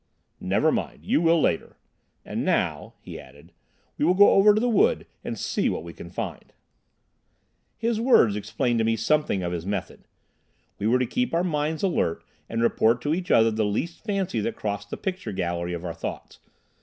"Never mind, you will later. And now," he added, "we will go over the wood and see what we can find." His words explained to me something of his method. We were to keep our minds alert and report to each other the least fancy that crossed the picture gallery of our thoughts.